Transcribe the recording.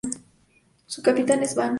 Su capital es Van.